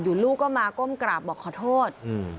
ลูกก็มาก้มกราบบอกขอโทษ